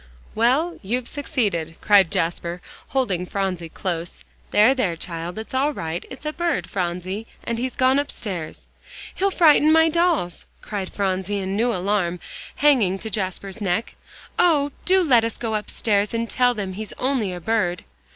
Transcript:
"Well, you've succeeded," cried Jasper, holding Phronsie close. "There, there, child, it's all right. It's a bird, Phronsie, and he's gone upstairs." "He'll frighten my dolls," cried Phronsie in new alarm, hanging to Jasper's neck. "Oh! do let us go upstairs, and tell them he's only a bird."